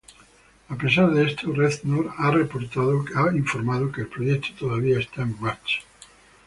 A pesar de esto, Reznor a reportado que el proyecto todavía está en marcha.